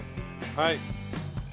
はい。